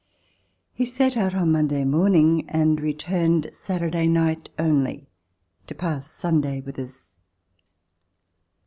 He set out Monday morn ing and returned Saturday night only to pass Sunday with us.